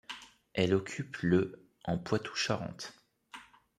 Elle occupe le en Poitou-Charentes.